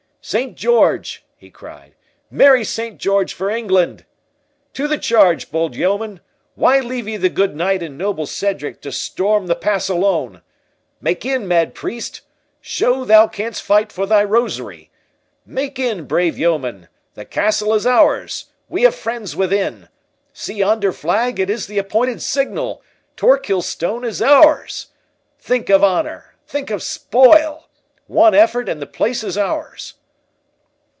"Saint George!" he cried, "Merry Saint George for England!—To the charge, bold yeomen!—why leave ye the good knight and noble Cedric to storm the pass alone?—make in, mad priest, show thou canst fight for thy rosary,—make in, brave yeomen!—the castle is ours, we have friends within—See yonder flag, it is the appointed signal—Torquilstone is ours!—Think of honour, think of spoil—One effort, and the place is ours!"